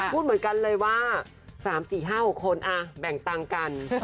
พูดเหมือนกันเลยว่า๓๔๕๖คนแบ่งตังค์กัน